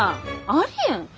ありえん！